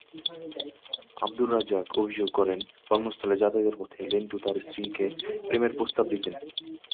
আবদুর রাজ্জাক অভিযোগ করেন, কর্মস্থলে যাতায়াতের পথে লেন্টু তাঁর স্ত্রীকে প্রেমের প্রস্তাব দিতেন।